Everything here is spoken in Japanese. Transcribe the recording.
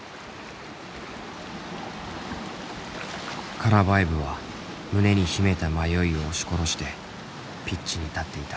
カラヴァエヴは胸に秘めた迷いを押し殺してピッチに立っていた。